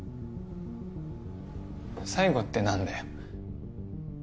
最後って何だよ